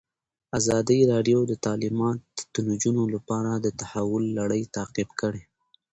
ازادي راډیو د تعلیمات د نجونو لپاره د تحول لړۍ تعقیب کړې.